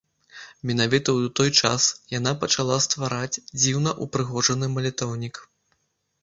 Менавіта ў той час яна пачала ствараць дзіўна ўпрыгожаны малітоўнік.